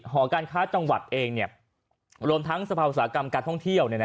หอการค้าจังหวัดเองรวมทั้งสภาอุตสาหกรรมการท่องเที่ยว